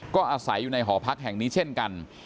ก็อาศัยอยู่ในหอพักแห่งนี้เช่นกัน